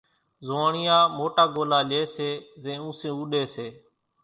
زوئاڻيا موٽا ڳولا لئي سي زين اونسين اُوڏي سي۔